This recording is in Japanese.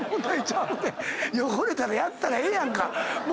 汚れたらやったらええやんか！